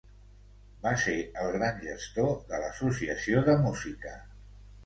Va ser el gran gestor de l'Associació de Música.